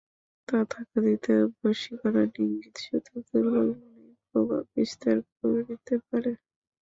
তথাকথিত বশীকরণ-ইঙ্গিত শুধু দুর্বল মনেই প্রভাব বিস্তার করিতে পারে।